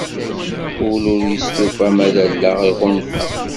Ul ur yestufa ma d allaɣ iɣunfa.